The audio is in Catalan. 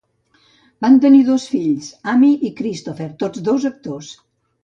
Van tenir dos fills, Amy i Christopher, tots dos actors.